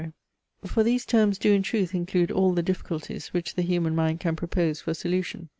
For these terms do in truth include all the difficulties, which the human mind can propose for solution.